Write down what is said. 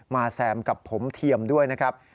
แซมกับผมเทียมด้วยนะครับ